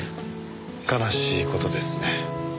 悲しい事ですね。